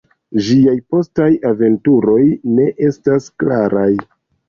Ĝiaj postaj aventuroj ne estas klaraj.